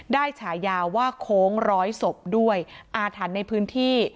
ฉายาว่าโค้งร้อยศพด้วยอาถรรพ์ในพื้นที่